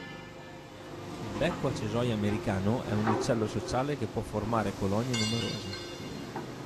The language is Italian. Il becco a cesoie americano è un uccello sociale che può formare colonie numerose.